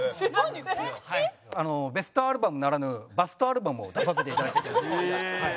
ベストアルバムならぬバストアルバムを出させて。